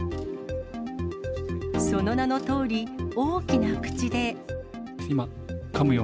その名のとおり、大きな口で。